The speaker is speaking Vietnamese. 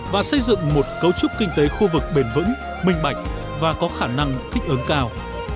và xây dựng một cấu trúc kinh tế khu vực bền vững minh bạch và có khả năng thích ứng cao